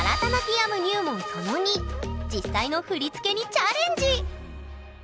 実際の振り付けにチャレンジ！